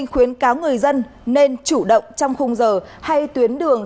khuyến cáo người dân nên chủ động trong khung giờ hay tuyến đường